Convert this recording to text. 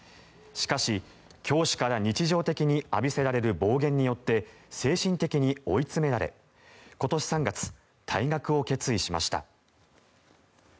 しかし、教師から日常的に浴びせられる暴言によって精神的に追い詰められ今年３月、退学を決意しました。